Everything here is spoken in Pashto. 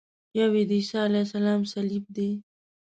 یو یې د عیسی علیه السلام صلیب دی.